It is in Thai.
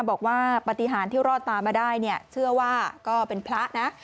บอกว่าปฏิหารที่รอดตามาได้เนี่ยเชื่อว่าก็เป็นพระนะ